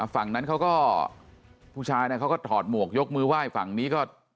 ฝั่งนั้นเขาก็ผู้ชายเขาก็ถอดหมวกยกมือไหว้ฝั่งนี้ก็